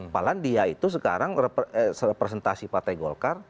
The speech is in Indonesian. pahala dia itu sekarang serepresentasi partai golkar